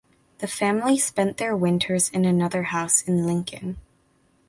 The family spent their winters in another house in Lincoln.